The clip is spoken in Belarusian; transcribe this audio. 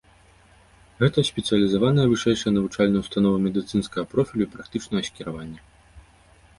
Гэта спецыялізаваная вышэйшая навучальная ўстанова медыцынскага профілю і практычнага скіраваня.